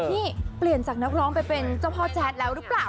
นี่เปลี่ยนจากนักร้องไปเป็นเจ้าพ่อแจ๊ดแล้วหรือเปล่า